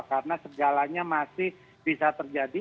karena sejalannya masih bisa terjadi